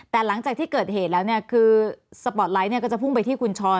แต่หลังจากที่เกิดเหตุแล้วเนี่ยคือสปอร์ตไลท์ก็จะพุ่งไปที่คุณช้อน